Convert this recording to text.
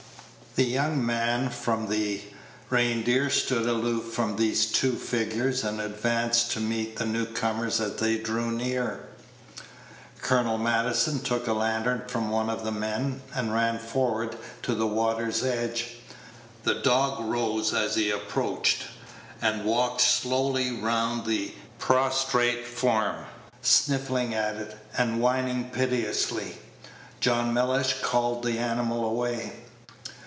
The young man from the Reindeer stood aloof from these two figures, and advanced to meet the new comers as they drew near. Colonel Maddison took a lantern from one of the men, and ran forward to the water's edge. The dog rose as he approached, and walked slowly round the prostrate form, sniffling at it, and whining piteously. John Mellish called the animal away.